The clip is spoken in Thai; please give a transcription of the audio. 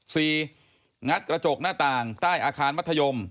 งัดกระจกหน้าต่างใต้อาคารมัธยม